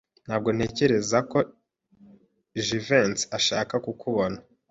Ntabwo ntekereza ko Jivency ashaka kukubona.